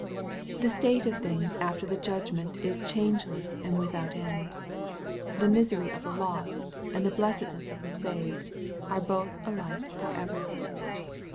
The state of things after the judgment is changeless and without end. The misery of the lost, and the blessedness of the saved, are both alike for ever.